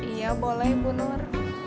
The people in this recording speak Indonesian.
iya boleh bu nur